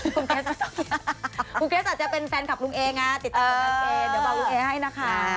ครูเคสอาจจะเป็นแฟนคลับลุงเอนะติดตามลุงเอเดี๋ยวบอกลุงเอให้นะคะ